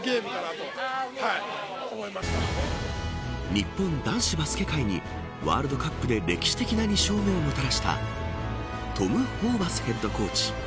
日本男子バスケ界にワールドカップで歴史的２勝目をもたらしたトム・ホーバスヘッドコーチ。